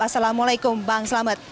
assalamualaikum bang selamat